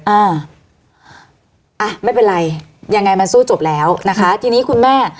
อ่าอ่ะไม่เป็นไรยังไงมันสู้จบแล้วนะคะทีนี้คุณแม่